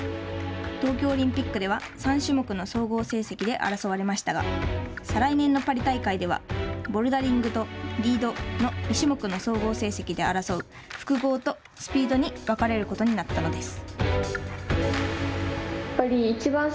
東京オリンピックでは３種目の総合成績で争われましたが再来年のパリ大会ではボルダリングとリードの２種目の総合成績で争う複合とスピードに分かれることになったのです。